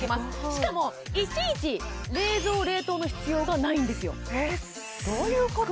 しかもいちいち冷蔵・冷凍の必要がないんですよどういうこと？